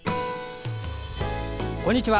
こんにちは。